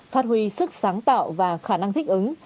phát huy sức sáng tạo và khả năng thích ứng